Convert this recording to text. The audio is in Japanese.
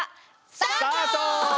スタート！